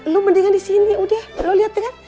lo mendingan di sini udah lo lihat deh kan